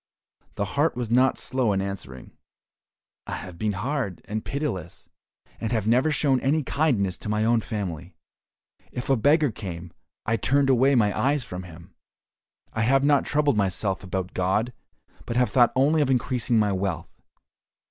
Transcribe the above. The heart was not slow in answering, "I have been hard and pitiless, and have never shown any kindness to my own family. If a beggar came, I turned away my eyes from him. I have not troubled myself about God, but have thought only of increasing my wealth.